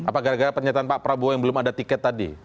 apa gara gara pernyataan pak prabowo yang belum ada tiket tadi